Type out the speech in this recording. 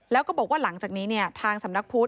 แล้วก็บอกว่าหลังจากนี้ทางสำนักพุทธ